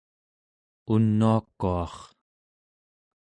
unuakuar